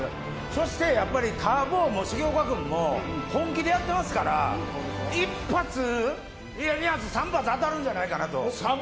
そしてやっぱりたー坊も重岡君も本気でやってますから１発、いや、２発、３発当たるじゃないかと。